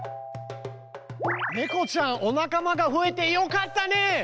ネコちゃんお仲間が増えてよかったね。